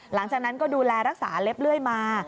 หลังจากนั้นก็ดูแลรักษาเล็บเลื่อยมา